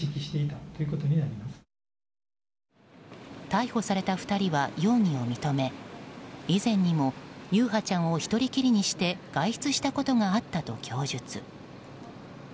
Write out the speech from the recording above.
逮捕された２人は容疑を認め以前にも優陽ちゃんを１人きりにして外出したことがあったと供述。